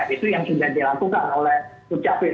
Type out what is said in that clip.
itu yang sudah dilakukan oleh ukcapil